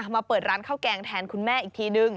มาเปิดร้านข้าวแกงแทนคุณแม่อีกทีนึง